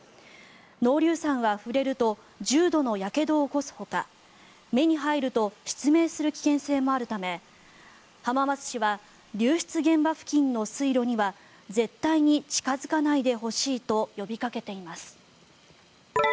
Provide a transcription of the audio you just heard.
濃硫酸は触れると重度のやけどを起こすほか目に入ると失明する危険性もあるため浜松市は流出現場付近の水路には絶対に近付かないでほしいと呼びかけています。